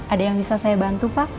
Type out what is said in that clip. ada yang bisa saya bantu pak